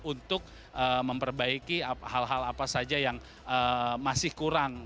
untuk memperbaiki hal hal apa saja yang masih kurang